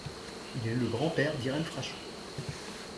Il est le grand-père d'Irène Frachon.